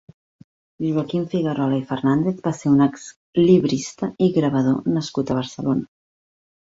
Joaquim Figuerola i Fernández va ser un exlibrista i gravador nascut a Barcelona.